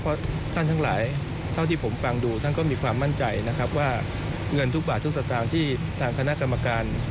เพราะท่านทั้งหลายเท่าที่ผมฟังดูท่านก็มีความมั่นใจนะครับว่าเงินทุกบาททุกสตางค์ที่ทางคณะกรรมการ